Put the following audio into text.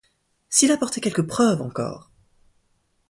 S'il apportait quelque preuve encore!